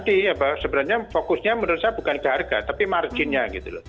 jadi apakah memang apakah tadi sebenarnya fokusnya menurut saya bukan ke harga tapi marginnya gitu loh